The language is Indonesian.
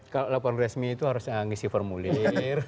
kalau laporan resmi itu harus ngisi formulir